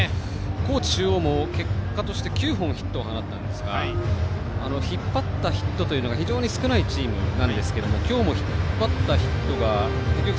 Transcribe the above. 高知中央も結果として９本ヒットを打ったんですが引っ張ったヒットというのが非常に少ないチームなんですけど今日も引っ張ったヒットが。